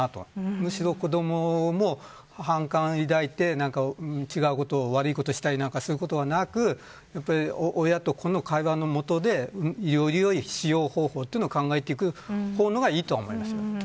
むしろ、子どもも反感を抱いて違うことを、悪いことをするようなことなく親と子の会話の下でよりよい使用方法というのを考えていくほうがいいと思います。